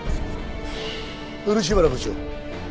漆原部長